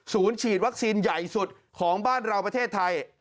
ฉีดวัคซีนใหญ่สุดของบ้านเราประเทศไทย